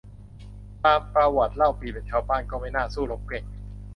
ตามประวัติเล่าปี่เป็นชาวบ้าน ก็ไม่น่าสู้รบเก่ง